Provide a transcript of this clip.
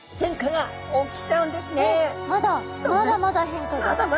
まだまだまだ変化が？